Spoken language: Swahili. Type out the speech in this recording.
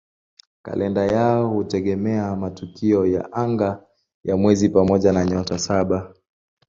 Kalenda yao hutegemea matukio ya anga ya mwezi pamoja na "Nyota Saba".